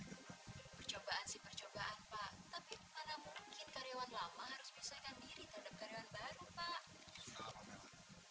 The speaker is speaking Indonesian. percobaan sih percobaan pak